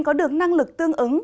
có được năng lực tương ứng